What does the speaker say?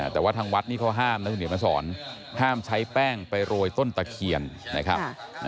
แต่ว่าทางวัดนี่เขาห้ามนะคุณเห็นมาสอนห้ามใช้แป้งไปโรยต้นตะเคียนนะครับ